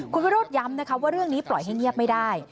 คุณวิโรธย้ำนะคะว่าเรื่องนี้ปล่อยให้เงียบไม่ได้